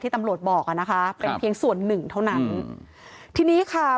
ตำรวจบอกอ่ะนะคะเป็นเพียงส่วนหนึ่งเท่านั้นทีนี้ค่ะ